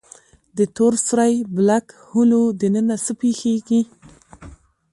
د تور سوری Black Hole دننه څه پېښېږي؟